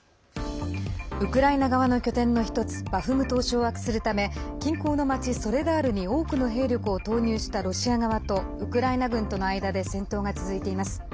ウクライナ側の拠点の１つバフムトを掌握するため近郊の町ソレダールに多くの兵力を投入したロシア側とウクライナ軍との間で戦闘が続いています。